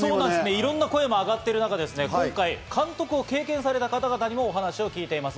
いろんな声も上がっている中、今回監督を経験された方々にもお話を聞いています。